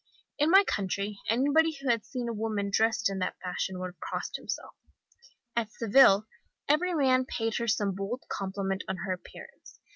In my country anybody who had seen a woman dressed in that fashion would have crossed himself. At Seville every man paid her some bold compliment on her appearance.